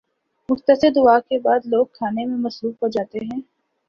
مختصر دعا کے بعد لوگ کھانے میں مصروف ہو جاتے ہیں۔